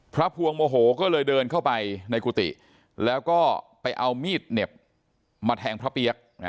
พวงโมโหก็เลยเดินเข้าไปในกุฏิแล้วก็ไปเอามีดเหน็บมาแทงพระเปี๊ยก